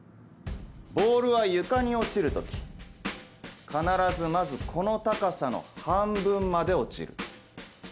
ボールは床に落ちる時必ずまずこの高さの半分まで落ちる。